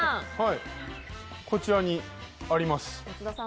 こちらにあります。